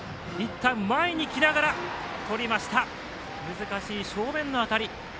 難しい正面の当たり。